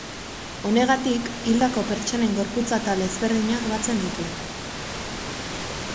Honegatik, hildako pertsonen gorputz atal ezberdinak batzen ditu.